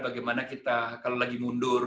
bagaimana kita kalau lagi mundur